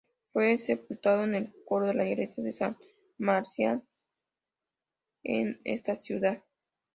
Fue sepultado en el coro de la Iglesia de San Marcial en esa ciudad.